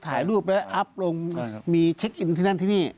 ถ่ายรูปแล้วอัพลงมีเช็คอินที่นั่นที่นี่